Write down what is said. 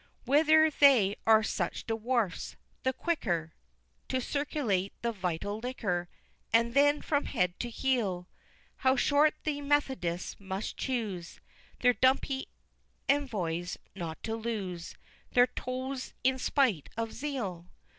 XXVIII. Whether they are such dwarfs the quicker To circulate the vital liquor, And then, from head to heel How short the Methodists must choose Their dumpy envoys not to lose Their toes in spite of zeal?